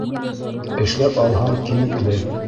Эшләп алһаң, кимекле.